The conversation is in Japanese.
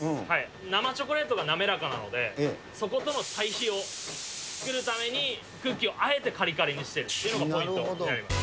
生チョコレートが滑らかなので、そことの対比を作るために、クッキーをあえてかりかりにしているのがポイントになります。